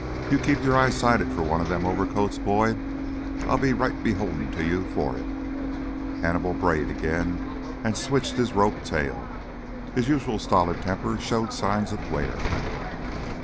You keep your eyes sighted for one of them theah overcoats, Boyd. I'll be right beholden to you for it." Hannibal brayed again and switched his rope tail. His usual stolid temperament showed signs of wear.